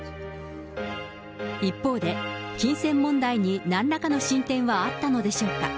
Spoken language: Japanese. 一方で、金銭問題になんらかの進展はあったのでしょうか。